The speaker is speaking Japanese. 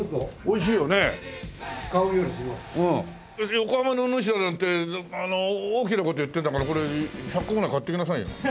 横浜の主だなんて大きな事言ってるんだからこれ１００個ぐらい買って行きなさいよ。